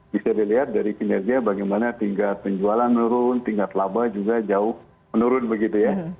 bisa dilihat dari kinerja bagaimana tingkat penjualan menurun tingkat laba juga jauh menurun begitu ya